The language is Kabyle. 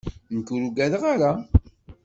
Nekk ur ugadeɣ ara.